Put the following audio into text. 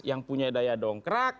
yang punya daya dongkrak